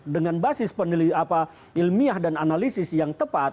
dengan basis ilmiah dan analisis yang tepat